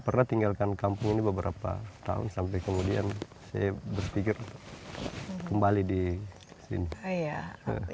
pernah tinggalkan kampung ini beberapa tahun sampai kemudian saya berpikir kembali di sini